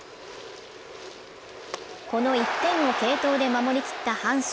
この１点を継投で守りきった阪神。